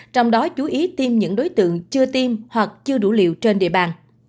trong đó chú ý tiêm những đối tượng chưa tiêm hoặc chưa đủ liều trên địa bàn